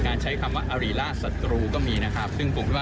มาให้กำลังใจไปเรื่อย